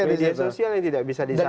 ada media sosial yang tidak bisa disaring